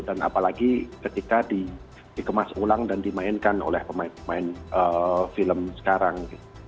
dan apalagi ketika dikemas ulang dan dimainkan oleh pemain film sekarang